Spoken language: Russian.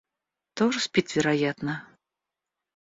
Тоже спит, вероятно.